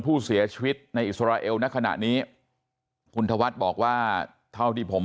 ผู้เสียชีวิตในอิสราเอลในขณะนี้คุณธวัฒน์บอกว่าเท่าที่ผม